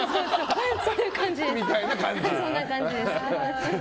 そんな感じです。